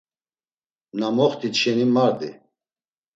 Na moxtit şeni mardi.